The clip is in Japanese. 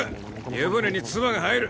湯船につばが入る！